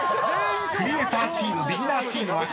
［クリエイターチームビギナーチームはＣ。